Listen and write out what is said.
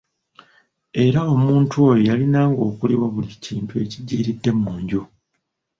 Era omuntu oyo yalinanga okuliwa buli kintu ekiggyiiridde mu nju.